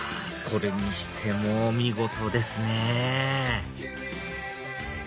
それにしてもお見事ですね！